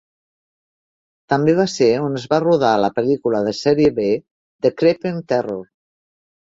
També va ser on es va rodar la pel·lícula de sèrie B "The Creeping Terror".